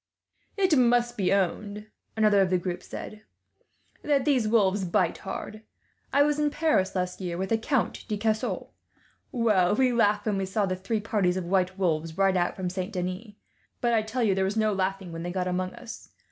"It must be owned," another of the group said, "that these wolves bite hard. I was in Paris last year, with the Count de Caussac. Well, we laughed when we saw the three parties of white wolves ride out from Saint Denis; but I tell you, there was no laughing when they got among us.